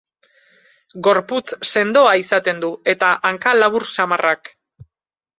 Gorputz sendoa izaten du, eta hanka labur samarrak.